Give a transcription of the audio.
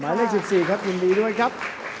เลข๑๔ครับยินดีด้วยครับ